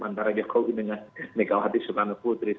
antara jokowi dengan megawati soekarno putri